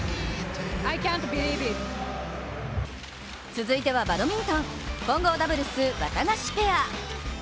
続いてはバドミントン、混合ダブルスワタガシペア。